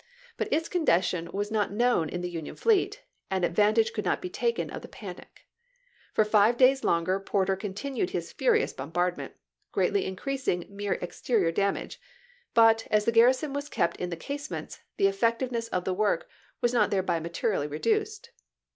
But its condition was not known in the Union fleet, and advantage could not be taken of the panic. For five days longer Porter continued his furious bombardment, gi'eatly increasing mere exterior damage; but, as the garrison was kept in the casemates, the effec tiveness of the work was not thereby materially reduced.